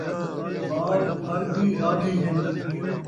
وال گھر دی رادھی ہن